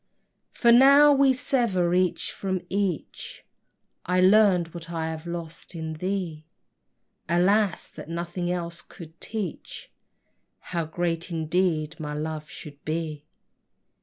For now we sever each from each, I learned what I have lost in thee; Alas, that nothing else could teach How great indeed my love should be!